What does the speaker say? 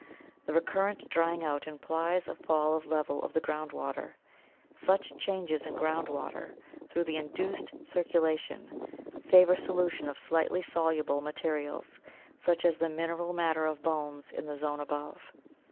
The recurrent drying out implies a fall of level of the ground water. Such changes in ground water, through the induced circulation, favor solution of slightly soluble mate rials, such as the mineral matter of bones, in the zone above.